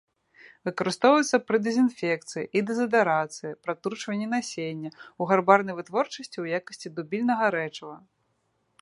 Выкарыстоўваецца пры дэзінфекцыі і дэзадарацыі, пратручвання насення, у гарбарнай вытворчасці ў якасці дубільнага рэчыва.